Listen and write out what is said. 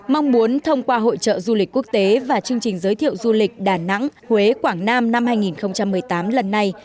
mong muốn thông qua hội trợ du lịch quốc tế và chương trình giới thiệu du lịch đà nẵng huế quảng nam năm hai nghìn một mươi tám lần này